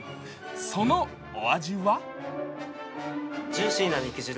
そのお味は？